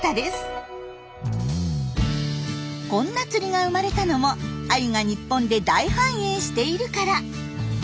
こんな釣りが生まれたのもアユが日本で大繁栄しているから。